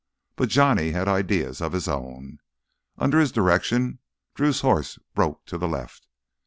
But Johnny had ideas of his own. Under his direction Drew's horse broke to the left.